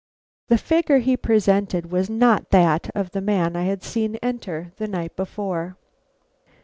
The figure he presented was not that of the man I had seen enter the night before.